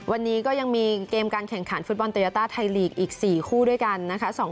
วันนี้ก็ยังมีเกมการแข่งขันฟุตบอลโตยาต้าไทยลีกอีก๔คู่ด้วยกันนะคะ